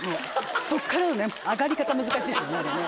そっからの上がり方難しいですよね